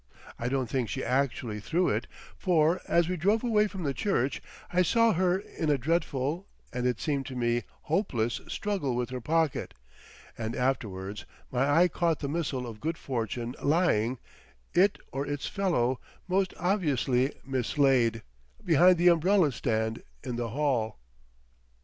I don't think she actually threw it, for as we drove away from the church I saw her in a dreadful, and, it seemed to me, hopeless, struggle with her pocket; and afterwards my eye caught the missile of good fortune lying, it or its fellow, most obviously mislaid, behind the umbrella stand in the hall....